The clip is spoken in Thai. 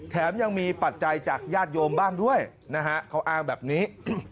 แถมยังมีปัจจัยจากญาติโยมบ้างด้วยนะฮะเขาอ้างแบบนี้